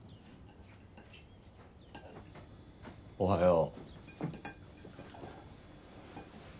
おはよう。